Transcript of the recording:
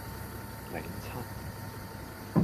檸七